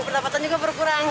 pendapatan juga berkurang